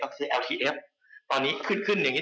และครวันนี้ก็รุ่นเยอะที